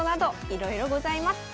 いろいろございます。